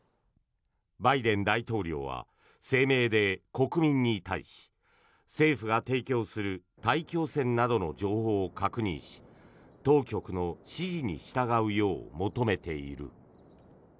バイデン大統領は声明で、国民に対し政府が提供する大気汚染などの情報を確認し当局の指示に従うよう求めている。